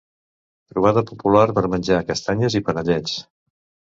Trobada popular per menjar castanyes i panellets.